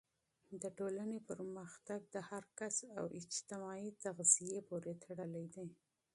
د ټولنې پرمختګ د فردي او اجتماعي تغذیې پورې تړلی دی.